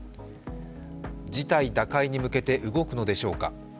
事態打開に向けて動くのでしょうか。